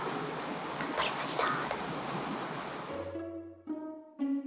頑張りました。